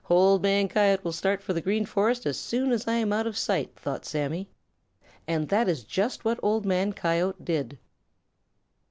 "Old Man Coyote will start for the Green Forest as soon as I am out of sight," thought Sammy. And that is just what Old Man Coyote did.